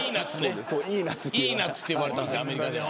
イーナツって呼ばれたんですよアメリカでは。